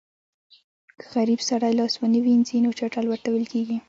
که غریب سړی لاس ونه وینځي نو چټل ورته ویل کېږي.